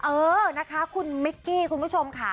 เอ้าคุณเมกกี้คุณผู้ชมค่ะ